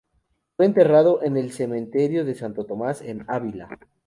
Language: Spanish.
Fue enterrado en el convento de Santo Tomás, en Ávila.